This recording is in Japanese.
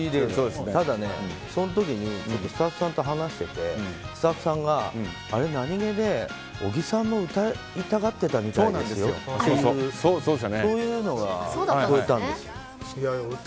ただね、その時にスタッフさんと話しててスタッフさんがあれ何気に小木さんも歌いたがってたみたいですよってそういうのが聞こえたんですよ。